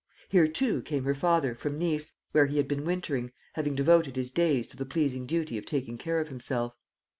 Here, too, came her father, from Nice, where he had been wintering, having devoted his days to the pleasing duty of taking care of himself.